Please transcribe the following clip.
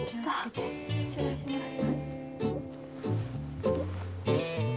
痛っ失礼します。